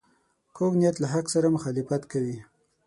کوږ نیت له حق سره مخالفت کوي